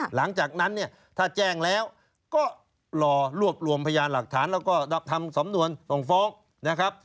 หลังจากนั้นเนี่ยถ้าแจ้งแล้วก็รอรวบรวมพยานหลักฐานแล้วก็ทำสำนวนส่งฟ้องนะครับ